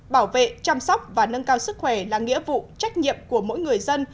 bảo vệ chăm sóc và nâng cao sức khỏe là nghĩa vụ trách nhiệm của mỗi người dân